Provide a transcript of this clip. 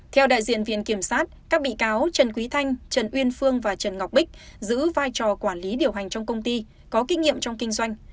theo đại diện viện kiểm sát các bị cáo trần quý thanh trần uyên phương và trần ngọc bích giữ vai trò quản lý điều hành trong công ty có kinh nghiệm trong kinh doanh